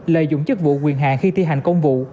lợi dụng chức vụ quyền hạn khi thi hành công vụ